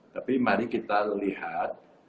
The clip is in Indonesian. tapi mari kita lihat